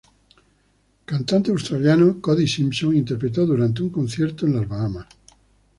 Cantante australiano Cody Simpson interpretó durante un concierto en las Bahamas.